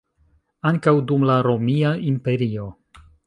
Ankaŭ dum la Romia Imperio.